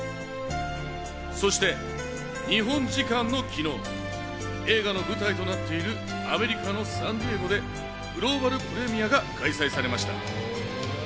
そして日本時間の昨日、映画の舞台となっているアメリカのサンディエゴでグローバルプレミアが開催されました。